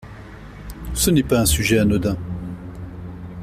Ce n’est pas un sujet anodin.